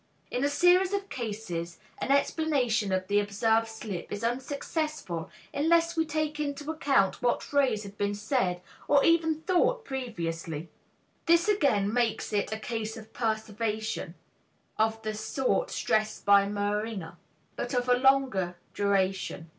In a series of cases, an explanation of the observed slip is unsuccessful unless we take into account what phrase had been said or even thought previously. This again makes it a case of perseveration of the sort stressed by Meringer, but of a longer duration.